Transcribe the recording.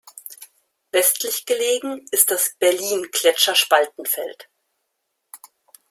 Westlich gelegen ist das Berlin-Gletscherspaltenfeld.